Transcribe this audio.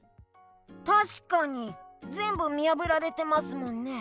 たしかにぜんぶ見やぶられてますもんね。